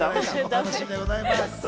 楽しみでございます。